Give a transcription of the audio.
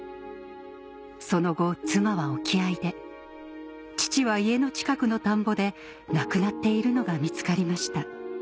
その後妻は沖合で父は家の近くの田んぼで亡くなっているのが見つかりました